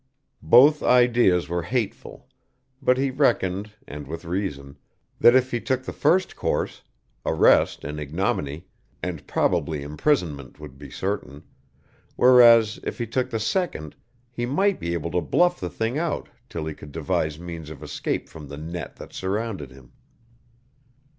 Both ideas were hateful, but he reckoned, and with reason, that if he took the first course, arrest and ignominy, and probably imprisonment would be certain, whereas if he took the second he might be able to bluff the thing out till he could devise means of escape from the net that surrounded him.